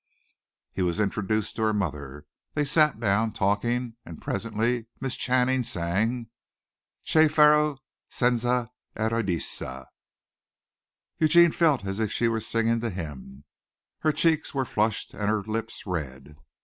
He was introduced to her mother. They sat down, talking, and presently Miss Channing sang "Che faro senza Euridice." Eugene felt as if she were singing to him. Her cheeks were flushed and her lips red.